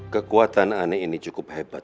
kekuatan aneh ini cukup hebat